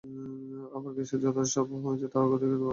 আবার গ্যাসের যতটা সরবরাহ আছে, তার অগ্রাধিকার আগে ঠিক করতে হবে।